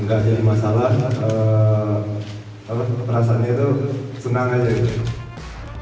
nggak jadi masalah perasaannya itu senang aja gitu